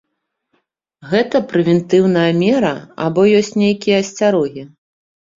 Гэта прэвентыўная мера, або ёсць нейкія асцярогі?